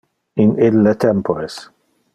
In ille tempores